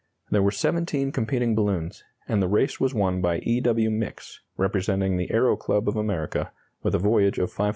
There were seventeen competing balloons, and the race was won by E. W. Mix, representing the Aero Club of America, with a voyage of 589 miles.